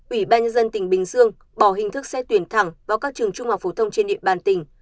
ủy ban nhân dân tỉnh bình dương bỏ hình thức xét tuyển thẳng vào các trường trung học phổ thông trên địa bàn tỉnh